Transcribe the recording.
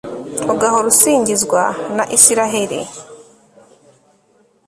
ugahora usingizwa na israheli